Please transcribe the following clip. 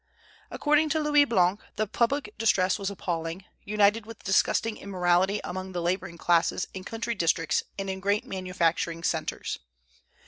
According to Louis Blanc the public distress was appalling, united with disgusting immorality among the laboring classes in country districts and in great manufacturing centres.